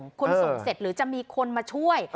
คุณส่งเสร็จหรือจะมีคนมาช่วย